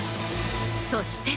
そして。